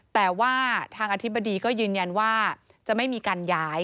แต่ว่าทางอธิบดีก็ยืนยันว่าจะไม่มีการย้าย